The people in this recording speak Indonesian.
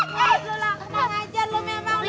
tuh hendak aja lu menang